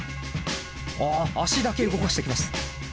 あ足だけ動かしてきます。